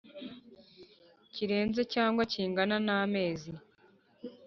kirenze cyangwa kingana n amezi